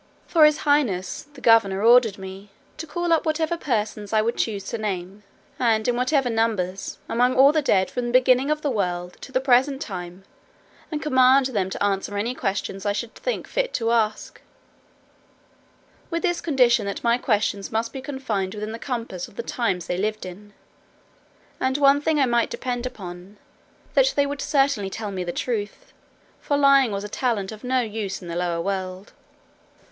For his highness the governor ordered me "to call up whatever persons I would choose to name, and in whatever numbers, among all the dead from the beginning of the world to the present time, and command them to answer any questions I should think fit to ask; with this condition, that my questions must be confined within the compass of the times they lived in. And one thing I might depend upon, that they would certainly tell me the truth, for lying was a talent of no use in the lower world."